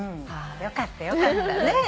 よかったよかったねえ。